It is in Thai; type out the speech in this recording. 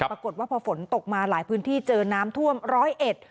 ปรากฏว่าพอฝนตกมาหลายพื้นที่เจอน้ำท่วมร้อยเอ็ด